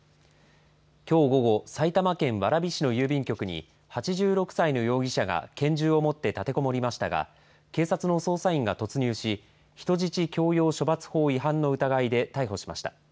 きょう午後埼玉県蕨市の郵便局に８６歳の容疑者が拳銃を持って立てこもりましたが警察の捜査員が突入し人質強要処罰法違反の疑いで逮捕しました。